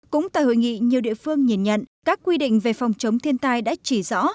cũng tại hội nghị nhiều địa phương nhìn nhận các quy định về phòng chống thiên tai đã chỉ rõ